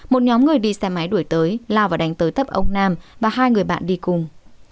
một nhóm người đi xe máy đuổi tới lao và đánh tới tấp ông nam và hai người bạn đi cùng